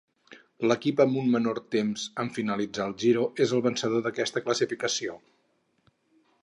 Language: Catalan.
L'equip amb un menor temps en finalitzar el Giro és el vencedor d'aquesta classificació.